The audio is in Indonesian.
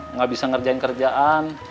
nggak bisa ngerjain kerjaan